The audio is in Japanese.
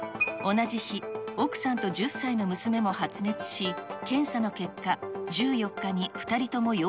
同じ日、奥さんと１０歳の娘も発熱し、検査の結果、１４日に２人とも